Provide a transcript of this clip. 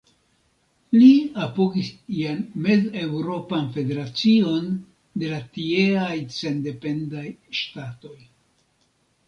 Li apogis ian Mez-Eŭropan Federacion de la tieaj sendependaj ŝtatoj.